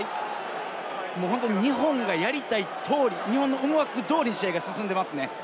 もう本当に日本がやりたい通り、日本の思惑通りに試合が進んでいますね。